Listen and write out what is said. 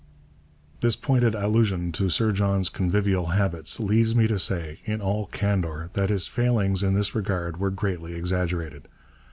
This pointed allusion to Sir John's convivial habits leads me to say, in all candour, that his failings in this regard were greatly exaggerated.